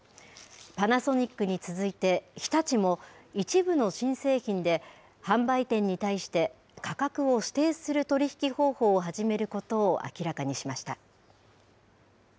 パナソニックに続いて日立も、一部の新製品で販売店に対して、価格を指定する取り引き方法を始めることを明らかにしました。